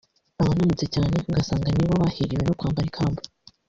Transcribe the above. abananutse cyane ugasanga ni bo bahiriwe no kwambara ikamba